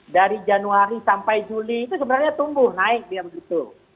dari januari sampai juli itu sebenarnya tumbuh naik dia begitu